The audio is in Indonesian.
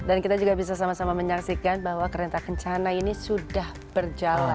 dan kita juga bisa sama sama menyaksikan bahwa kerintah kencana ini sudah berjalan